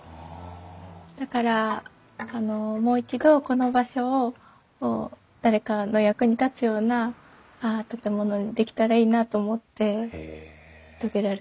だからもう一度この場所を誰かの役に立つような建物にできたらいいなと思って遂げられたって感じですね。